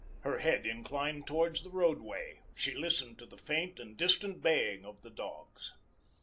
Her head inclined towards the roadway, she listened to the faint and distant baying of the dogs.